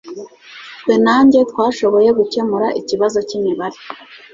Twe na njye twashoboye gukemura ikibazo cyimibare